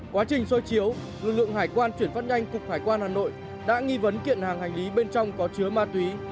quá trình soi chiếu lực lượng hải quan chuyển phát nhanh cục hải quan hà nội đã nghi vấn kiện hàng hành lý bên trong có chứa ma túy